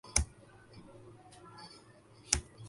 اور ایک ایسی بات جو آپ کو بہت پسند ہے